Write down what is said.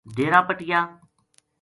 ڈیرا پٹیا